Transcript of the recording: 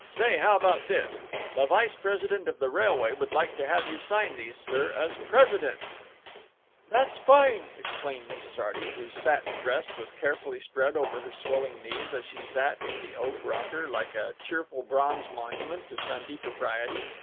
Say, how about this: 'The vice president of the railway would like to have you sign these, sir, as president'?" "That's fine!" exclaimed Mrs. Arty, whose satin dress was carefully spread over her swelling knees, as she sat in the oak rocker, like a cheerful bronze monument to Sunday propriety.